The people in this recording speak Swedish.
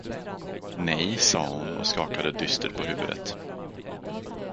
Nej, sade hon och skakade dystert på huvudet.